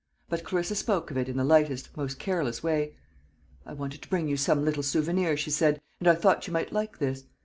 But Clarissa spoke of it in the lightest, most careless way. "I wanted to bring you some little souvenir," she said, "and I thought you might like this.